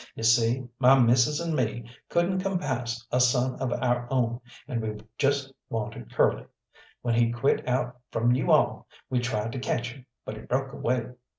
You see, my missus and me couldn't compass a son of our own, and we just wanted Curly. When he quit out from you all, we tried to catch him, but he broke away.